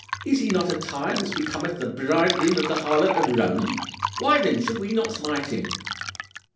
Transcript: Is he not attired as becometh the bridegroom of the harlot of Rome? Why then should we not smite him?